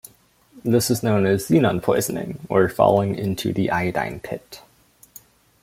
This is known as xenon-poisoning or "falling into an iodine pit".